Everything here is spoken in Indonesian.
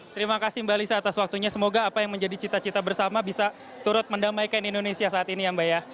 terima kasih mbak lisa atas waktunya semoga apa yang menjadi cita cita bersama bisa turut mendamaikan indonesia saat ini ya mbak ya